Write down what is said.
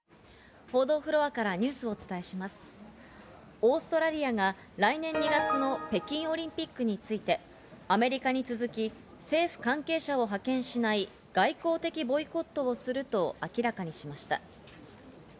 オーストラリアが来年２月の北京オリンピックについて、アメリカに続き、政府関係者を派遣しない外交的ボイコットをすると明らかにしました。